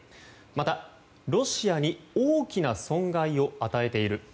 またロシアに大きな損害を与えている。